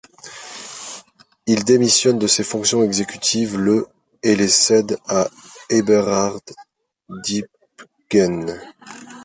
Il démissionne de ses fonctions exécutives le et les cède à Eberhard Diepgen.